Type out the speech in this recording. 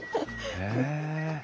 へえ。